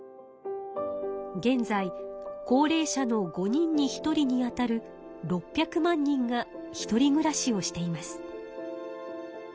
現在高齢者の５人に１人に当たる６００万人がひとり暮らしをしています。